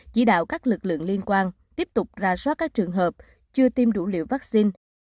chỉ đạo các lực lượng liên quan tiếp tục ra soát các trường hợp chưa tiêm đủ liều vaccine